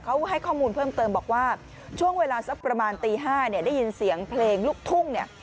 เขาให้ข้อมูลเพิ่มเติมบอกว่าช่วงเวลาสักประมาณตี๕เนี่ยได้ยินเสียงเพลงลูกทุ่งเนี่ย